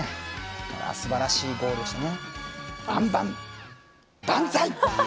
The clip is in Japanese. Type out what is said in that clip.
すばらしいゴールでしたね。